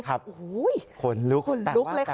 ขนลุกขนลุกเลยค่ะ